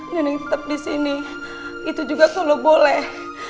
nining tetap di sini itu juga kalau boleh